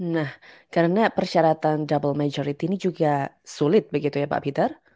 nah karena persyaratan double majority ini juga sulit begitu ya pak peter